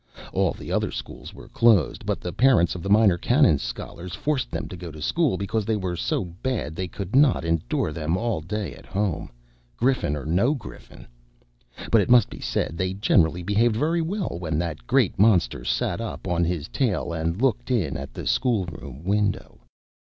All the other schools were closed, but the parents of the Minor Canon's scholars forced them to go to school, because they were so bad they could not endure them all day at home,—griffin or no griffin. But it must be said they generally behaved very well when that great monster sat up on his tail and looked in at the schoolroom window.